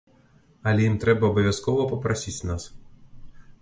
Але ім трэба абавязкова папрасіць нас.